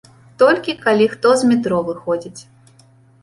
Толькі калі хто з метро выходзіць.